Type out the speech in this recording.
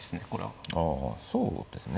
あそうですね。